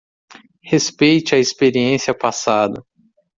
Respeite a experiência passada